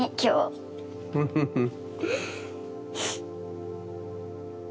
フフフッ。